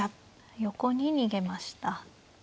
横に逃げました。